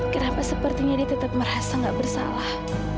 kenapa sepertinya dia tetap merasa nggak bersalah